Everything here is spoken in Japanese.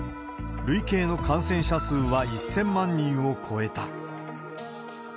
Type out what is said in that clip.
累計の感染者数は１０００万人を超えた。